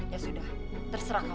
ya sudah terserah kamu